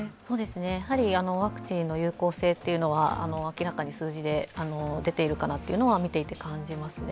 やはりワクチンの有効性は、明らかに数字で出ているかなというのは見ていて感じますね。